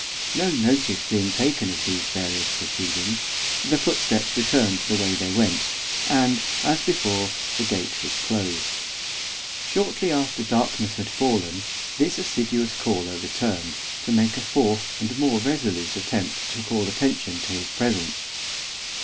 No notice being taken of these various proceedings, the footsteps returned the way they went, and, as before, the gate was closed. Shortly after darkness had fallen this assiduous caller returned, to make a fourth and more resolute attempt to call attention to his presence.